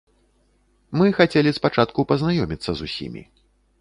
Мы хацелі спачатку пазнаёміцца з усімі.